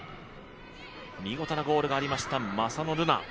見事なゴールがありました正野瑠菜。